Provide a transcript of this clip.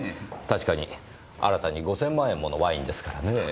確かに新たに５０００万円ものワインですからねぇ。